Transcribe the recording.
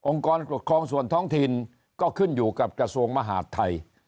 กรปกครองส่วนท้องถิ่นก็ขึ้นอยู่กับกระทรวงมหาดไทย